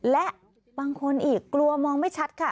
และบางคนอีกกลัวมองไม่ชัดค่ะ